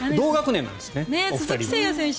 鈴木誠也選手